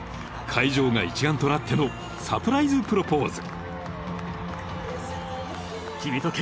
会場が一丸となってのサプライズプロポーズ］